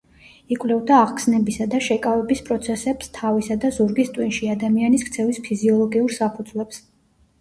იკვლევდა აღგზნებისა და შეკავების პროცესებს თავისა და ზურგის ტვინში, ადამიანის ქცევის ფიზიოლოგიურ საფუძვლებს.